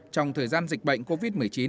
trong thời gian dịch bệnh covid một mươi chín